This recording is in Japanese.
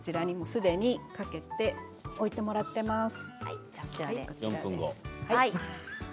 すでにかけておいてもらっています。